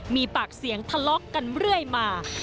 มีปากเสียงทะเลาะกันเรื่อยมา